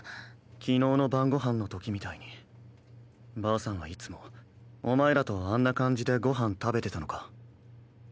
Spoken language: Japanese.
昨日の晩ご飯のときみたいにばあさんはいつもお前らとあんな感じでご飯食べてたのか？